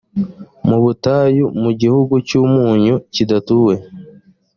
mu butayu mu gihugu cy’umunyu kidatuwe.